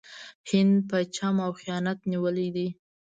هند په چم او خیانت نیولی دی.